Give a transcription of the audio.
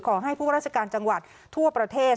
ขอให้ผู้ว่าราชการจังหวัดทั่วประเทศ